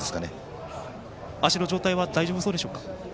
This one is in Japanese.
足の状態は大丈夫そうですか。